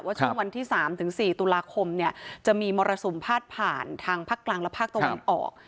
ช่วงวันที่๓ถึง๔ตุลาคมเนี่ยจะมีมรสุมพาดผ่านทางภาคกลางและภาคตะวันออก